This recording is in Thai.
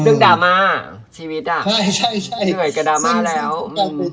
ดึกดรามาชีวิตน่ะเป็นเหมือนกับดรามาแล้ว